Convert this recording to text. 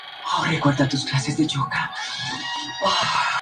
Por otra parte, el sector democristiano crea el Partido Demócrata Popular.